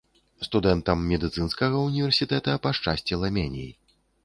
Студэнтам медыцынскага універсітэта пашчасціла меней.